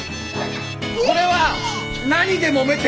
これは何でもめてるの？